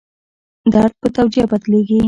درد په توجیه بدلېږي.